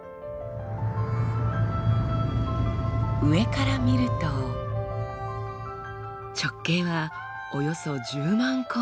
上から見ると直径はおよそ１０万光年。